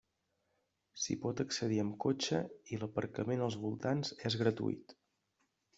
S'hi pot accedir amb cotxe i l'aparcament als voltants és gratuït.